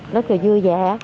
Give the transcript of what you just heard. rất là vui vẻ